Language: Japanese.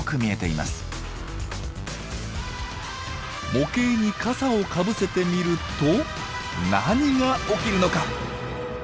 模型に傘をかぶせてみると何が起きるのか。